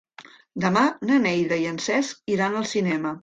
Demà na Neida i en Cesc iran al cinema.